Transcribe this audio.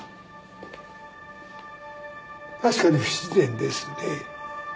確かに不自然ですね。